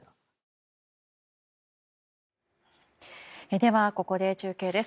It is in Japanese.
では、ここで中継です。